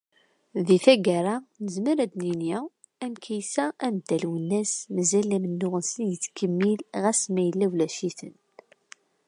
Di taggara, nezmer ad d-nini, am Kaysa, am Dda Lwennas, mazal amennuɣ-nsen yettkemmil ɣas ma yella ulac-iten.